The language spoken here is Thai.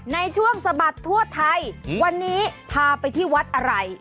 สะบัดทั่วไทยวันนี้พาไปที่วัดอะไร